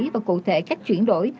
và cụ thể cách chuyển đổi